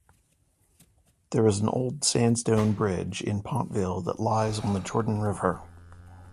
There is an old sandstone bridge in Pontville that lies on the Jordan River.